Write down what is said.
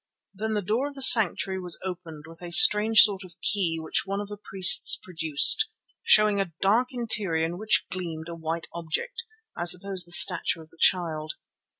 Then the door of the sanctuary was opened with a strange sort of key which one of the priests produced, showing a dark interior in which gleamed a white object, I suppose the statue of the Child.